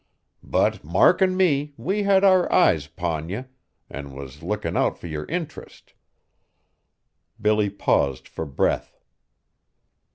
But Mark an' me, we had our eyes 'pon ye, an' was lookin' out fur yer interest." Billy paused for breath.